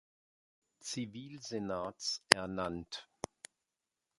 Zivilsenats ernannt.